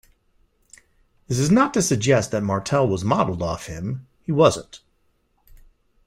This is not to suggest that Martell was modeled off him; he wasn't.